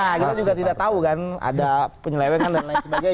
nah kita juga tidak tahu kan ada penyelewengan dan lain sebagainya